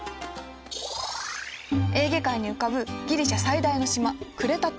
エーゲ海に浮かぶギリシャ最大の島クレタ島。